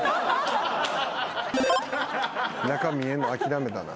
中見えんの諦めたな。